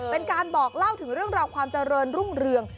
เป็นการบอกเล่าถึงเรื่องราวความเจริญรุ่งเรือง